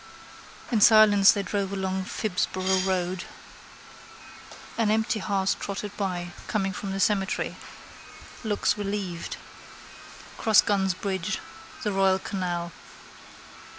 In silence they drove along Phibsborough road. An empty hearse trotted by, coming from the cemetery: looks relieved. Crossguns bridge: the royal canal.